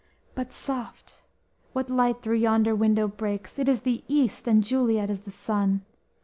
_But, soft! what light through yonder window breaks! It is the East, and Juliet is the sun!